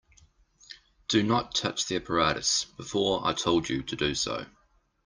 Do not touch the apparatus before I told you to do so.